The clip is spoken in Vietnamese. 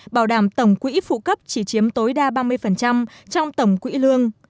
bảo đảm tổng quỹ phụ cấp chỉ chiếm tối đa ba mươi trong tổng quỹ lương